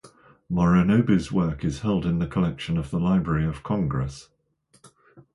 Moronobu's work is held in the collection of the Library of Congress.